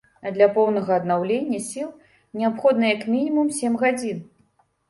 А для поўнага аднаўлення сіл неабходна як мінімум сем гадзін.